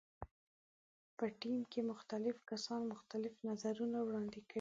په ټیم کې مختلف کسان مختلف نظرونه وړاندې کوي.